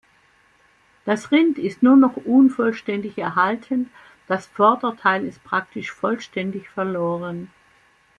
Das Rind ist nur noch unvollständig erhalten, das Vorderteil ist praktisch vollständig verloren.